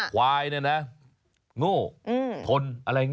ควายเนี่ยนะโง่ทน